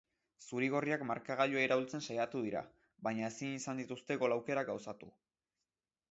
Zuri-gorriak markagailua iraultzen saiatu dira, baina ezin izan dituzte gol aukerak gauzatu.